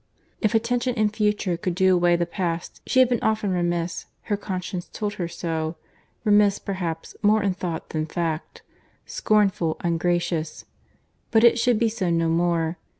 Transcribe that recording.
If attention, in future, could do away the past, she might hope to be forgiven. She had been often remiss, her conscience told her so; remiss, perhaps, more in thought than fact; scornful, ungracious. But it should be so no more.